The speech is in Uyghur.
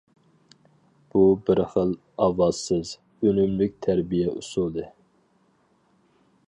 بۇ بىر خىل ئاۋازسىز، ئۈنۈملۈك تەربىيە ئۇسۇلى.